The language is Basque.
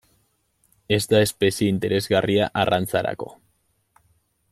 Ez da espezie interesgarria arrantzarako.